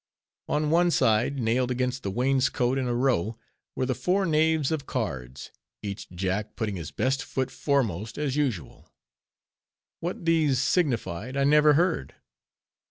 On one side, nailed against the wainscot in a row, were the four knaves of cards, each Jack putting his best foot foremost as usual. What these signified I never heard.